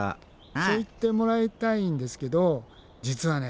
そう言ってもらいたいんですけど実はね